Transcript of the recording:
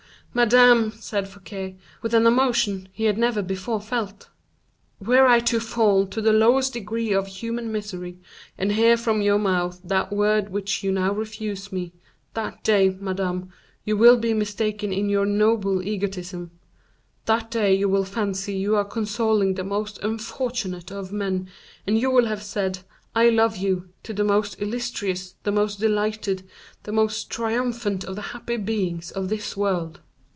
madame," said Fouquet, with an emotion he had never before felt; "were I to fall to the lowest degree of human misery, and hear from your mouth that word which you now refuse me, that day, madame, you will be mistaken in your noble egotism; that day you will fancy you are consoling the most unfortunate of men, and you will have said, I love you, to the most illustrious, the most delighted, the most triumphant of the happy beings of this world."